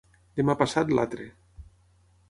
Demà passat l'altre.